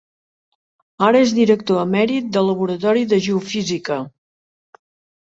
Ara és director emèrit del Laboratori de Geofísica.